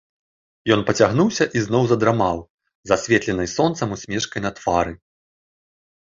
Ён пацягнуўся і зноў задрамаў з асветленай сонцам усмешкай на твары.